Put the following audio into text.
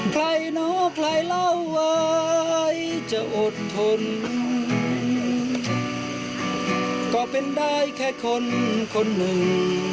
ใครเนาะใครเล่าไว้จะอดทนก็เป็นได้แค่คนคนหนึ่ง